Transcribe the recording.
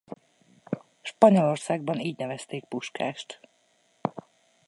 Spanyolországban így nevezték Puskást.